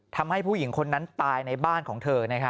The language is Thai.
ทำให้ผู้หญิงคนนั้นตายในบ้านของเธอ